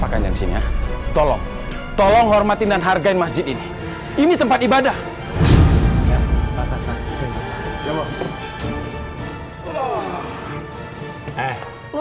aku mohon mas jangan ancurin masjid ini mas